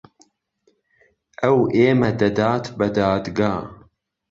ئەو ئێمە دەدات بە دادگا.